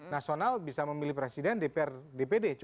nasional bisa memilih presiden dpr dpd